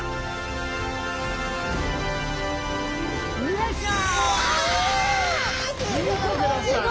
よいしょ！